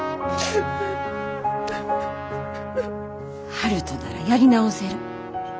悠人ならやり直せる。